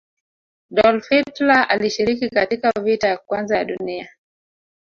hdolf Hilter alishiriki katika vita ya kwanza ya dunia